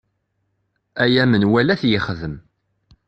Aya menwala ad t-yexdem.